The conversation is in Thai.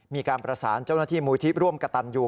มีการประสานเจ้าหน้าที่มูลที่ร่วมกระตันอยู่